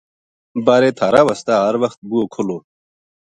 بارے تھہارے واسطے ہر وخت بوہو کھُلو